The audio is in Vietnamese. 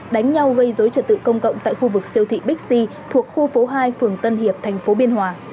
đánh nhau gây dối trật tự công cộng tại khu vực siêu thị bixi thuộc khu phố hai phường tân hiệp tp biên hòa